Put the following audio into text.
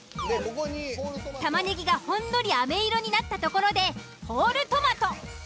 タマネギがほんのりあめ色になったところでホールトマト。